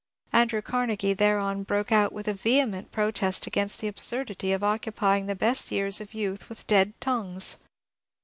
Andrew Car negie thereon broke out with a vehement protest against the HELEN HUNT JACKSON 427 absurdity of occupying the best years of youth with dead tongues.